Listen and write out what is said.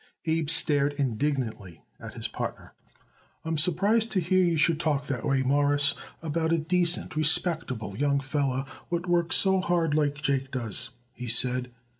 Abe stared indignantly at his partner. "I'm surprised to hear you you should talk that way, Mawruss, about a decent, respectable young feller what works so hard like Jake does," he said.